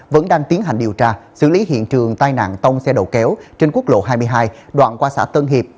vẫn đang tiến hành điều tra xử lý hiện trường tai nạn tông xe đầu kéo trên quốc lộ hai mươi hai đoạn qua xã tân hiệp